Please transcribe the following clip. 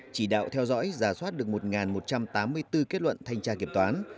chỉ đạo theo dõi giả soát được một một trăm tám mươi bốn kết luận thanh tra kiểm toán